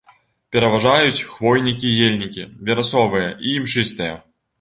Пераважаюць хвойнікі і ельнікі верасовыя і імшыстыя.